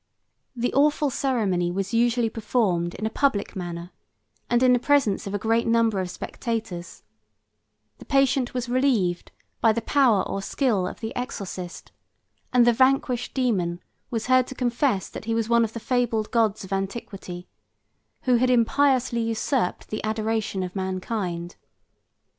The awful ceremony was usually performed in a public manner, and in the presence of a great number of spectators; the patient was relieved by the power or skill of the exorcist, and the vanquished dæmon was heard to confess that he was one of the fabled gods of antiquity, who had impiously usurped the adoration of mankind.